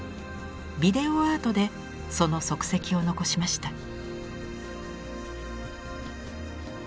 ビデオアートでその足跡を残しました。